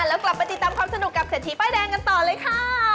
แล้วกลับไปติดตามความสนุกกับเศรษฐีป้ายแดงกันต่อเลยค่ะ